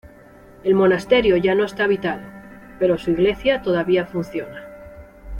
El monasterio ya no está habitado, pero su iglesia todavía funciona.